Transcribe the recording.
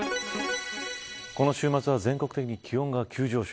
この週末は全国的に気温が急上昇。